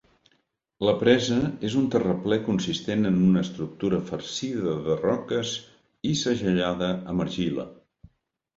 La presa és un terraplè consistent en una estructura farcida de roques i segellada amb argila.